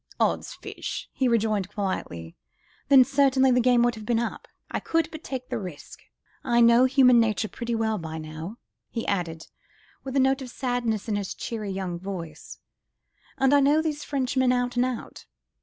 "Odd's fish!" he rejoined quietly, "then certainly the game would have been up. I could but take the risk. I know human nature pretty well by now," he added, with a note of sadness in his cheery, young voice, "and I know these Frenchmen out and out.